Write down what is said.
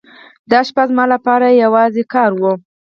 دا شپه زما لپاره یوازې کار و.